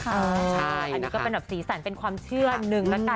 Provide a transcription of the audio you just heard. อันนี้ก็เป็นแบบสีสันเป็นความเชื่อหนึ่งละกัน